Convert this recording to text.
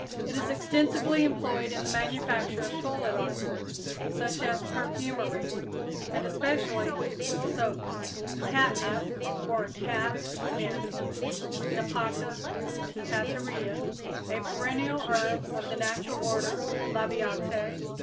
It is extensively employed in the manufacture of toilet articles, such as perfumery, and especially soaps. =Catnip=, or =cat mint= (Nepeta cataria, Linn.), a perennial herb of the natural order Labiatæ.